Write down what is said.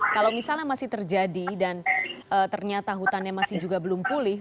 kalau misalnya masih terjadi dan ternyata hutannya masih juga belum pulih